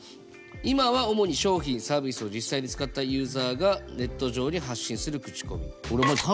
今は主に商品サービスを実際に使ったユーザーがネット上に発信する口コミ。